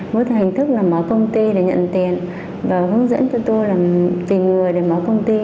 với hình thức là mở công ty để nhận tiền và hướng dẫn cho tôi là tìm người để báo công ty